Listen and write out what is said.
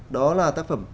đó là tác phẩm